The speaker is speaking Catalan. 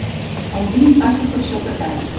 El vint passa per sota casa.